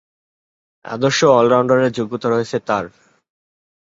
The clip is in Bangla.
আদর্শ অল-রাউন্ডারের যোগ্যতা রয়েছে তার।